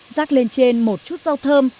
rác lên trên một chút rau thơm